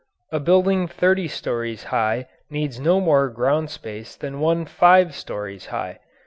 A building thirty stories high needs no more ground space than one five stories high.